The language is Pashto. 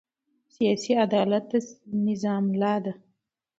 سیاسي عدالت د نظام ملا ده